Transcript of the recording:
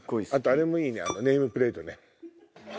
あれもいいねネームプレートね。